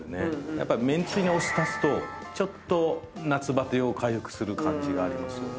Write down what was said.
やっぱめんつゆにお酢足すとちょっと夏バテを回復する感じがありますよね。